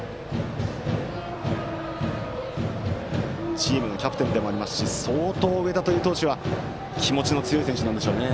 チームキャプテンでもありますし相当、上田という投手は気持ちの強い選手なんでしょうね。